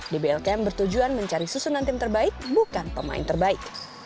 dblkm bertujuan mencari susunan tim terbaik bukan pemain terbaik